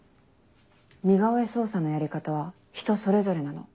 似顔絵捜査のやり方は人それぞれなの。